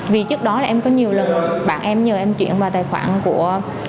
vì trước đó là em có nhiều lần bạn em nhờ em chuyển vào tài khoản của